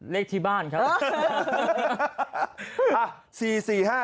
เลขที่บ้านครับ